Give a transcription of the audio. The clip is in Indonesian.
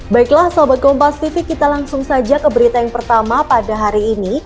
baiklah sahabat kompas tipi kita langsung saja ke berita yang pertama pada hari ini